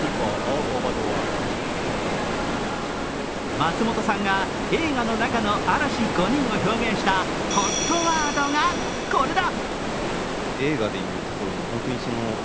松本さんが映画の中の嵐５人を表現したＨＯＴワードがこれだ。